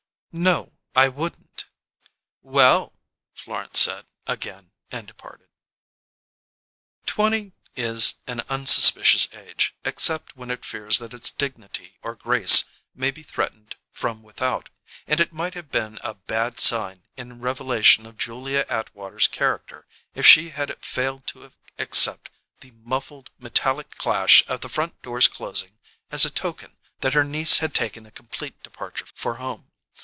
"No, I wouldn't." "Well " Florence said again, and departed. Twenty is an unsuspicious age, except when it fears that its dignity or grace may be threatened from without; and it might have been a "bad sign" in revelation of Julia Atwater's character if she had failed to accept the muffled metallic clash of the front door's closing as a token that her niece had taken a complete departure for home.